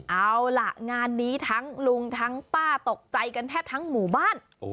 เอาล่ะงานนี้ทั้งลุงทั้งป้าตกใจกันแทบทั้งหมู่บ้าน